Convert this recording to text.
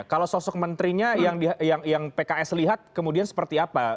kalau sosok menterinya yang pks lihat kemudian seperti apa